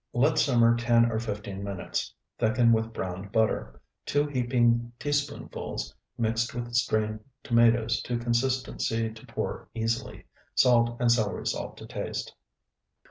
Let simmer ten or fifteen minutes; thicken with browned flour, two heaping teaspoonfuls, mixed with strained tomatoes to consistency to pour easily. Salt and celery salt to taste.